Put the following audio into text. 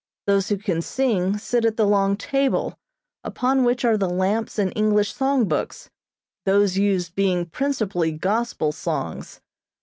Those who can sing sit at the long table upon which are the lamps and English song books, those used being principally Gospel songs.